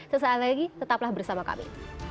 sesaat lagi tetaplah bersama kami